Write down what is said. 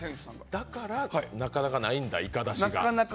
だからなかなかないんだ、イカだしが。